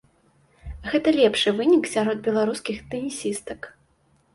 Гэта лепшы вынік сярод беларускіх тэнісістак.